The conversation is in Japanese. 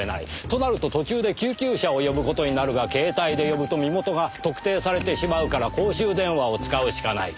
となると途中で救急車を呼ぶ事になるが携帯で呼ぶと身元が特定されてしまうから公衆電話を使うしかない。